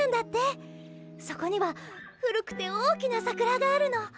そこには古くて大きな桜があるの。